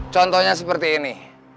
contohnya seperti ini